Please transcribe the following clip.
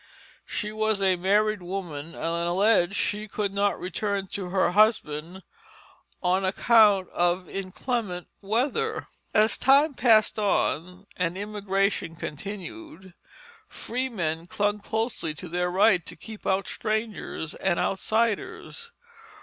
She was a married woman, and alleged she could not return to her husband on account of the inclement weather. As time passed on and immigration continued, freemen clung closely to their right to keep out strangers and outsiders.